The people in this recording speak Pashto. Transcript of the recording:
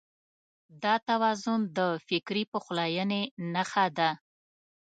دا توازن د فکري پخلاينې نښه ده.